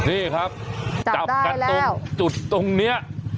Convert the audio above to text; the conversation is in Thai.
อีกครับจัดการแล้วจุดตรงเนี้ย